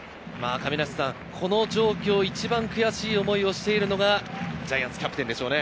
この状況を一番悔しい思いをしているのが、ジャイアンツキャプテンでしょうね。